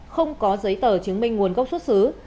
không có giấy tờ chứng minh nguồn gốc xuất xứ